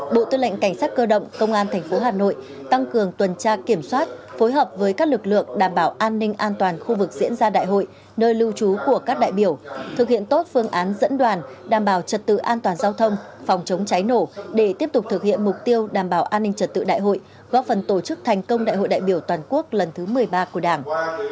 bộ tư lệnh cảnh sát cơ động công an tp hà nội tăng cường tuần tra kiểm soát phối hợp với các lực lượng đảm bảo an ninh an toàn khu vực diễn ra đại hội nơi lưu trú của các đại biểu thực hiện tốt phương án dẫn đoàn đảm bảo trật tự an toàn giao thông phòng chống cháy nổ để tiếp tục thực hiện mục tiêu đảm bảo an ninh trật tự đại hội góp phần tổ chức thành công đại hội đại biểu toàn quốc lần thứ một mươi ba của đảng